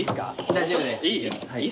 大丈夫です。